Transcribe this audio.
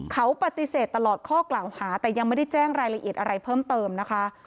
เขาปฏิเสธตลอดข้อกล่าวหาแต่ยังไม่ได้แจ้งรายละเอียดอะไรเพิ่มเติมนะคะ